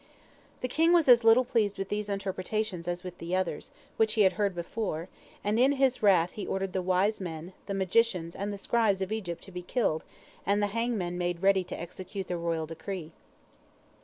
The king was as little pleased with these interpretations as with the others, which he had heard before, and in his wrath he ordered the wise men, the magicians and the scribes of Egypt, to be killed, and the hangmen made ready to execute the royal decree.